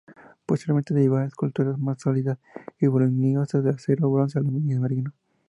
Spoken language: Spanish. Posteriormente, derivó a esculturas más sólidas y voluminosas de acero, bronce y aluminio marino.